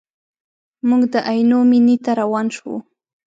موږ د عینو مینې ته روان شوو.